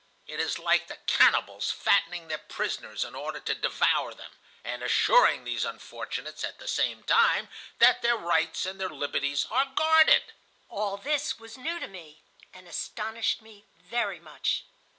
It is like the cannibals fattening their prisoners in order to devour them, and assuring these unfortunates at the same time that their rights and their liberties are guarded!" All this was new to me, and astonished me very much.